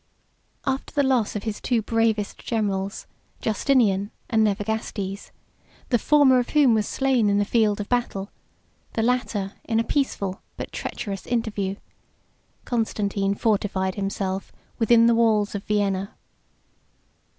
After the loss of his two bravest generals, Justinian and Nevigastes, the former of whom was slain in the field of battle, the latter in a peaceful but treacherous interview, Constantine fortified himself within the walls of Vienna.